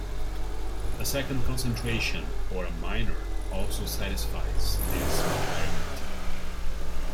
A second concentration or a minor also satisfies this requirement.